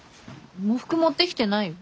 喪服持ってきてないよ。